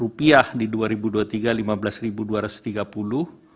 rupiah di dua ribu dua puluh tiga rp lima belas dua ratus tiga puluh